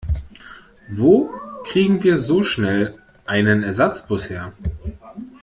Wo kriegen wir so schnell einen Ersatzbus her?